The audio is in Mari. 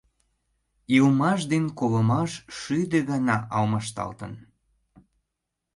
Илымаш ден колымаш шӱдӧ гана алмашталтын.